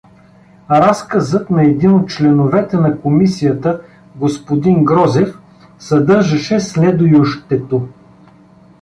Разказът на един от членовете на комисията г.Грозев съдържаше следующето.